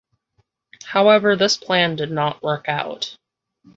However this plan did not work out.